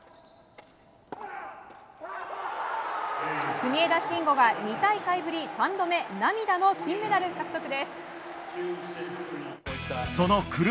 国枝慎吾が２大会ぶり３度目涙の金メダル獲得です。